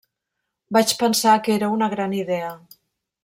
Vaig pensar que era una gran idea.